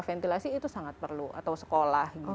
ventilasi itu sangat perlu atau sekolah